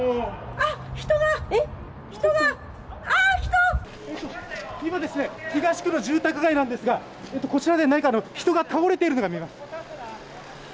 あっ、やられて今、東区の住宅街なんですが、こちらで人が倒れているのが見えます。